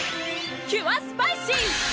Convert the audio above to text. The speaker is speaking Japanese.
キュアスパイシー！